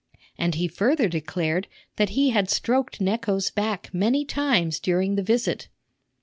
And he further declared that he had stroked Necho's back many times during the visit.